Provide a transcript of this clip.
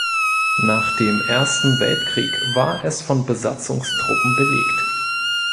Nach dem Ersten Weltkrieg war es von Besatzungstruppen belegt.